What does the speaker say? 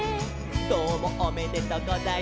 「どうもおめでとうございません」